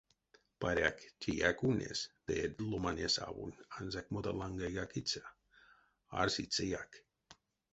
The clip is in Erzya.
Паряк, теяк ульнесь, ды эдь ломанесь аволь ансяк мода ланга якиця, арсицяяк.